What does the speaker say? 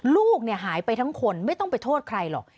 ลูกหายไปทั้งคนไม่ต้องไปโทษใครหรอก